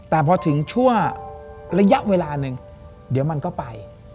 แต่พอถึงชั่วระยะเวลาหนึ่งเดี๋ยวมันก็ไป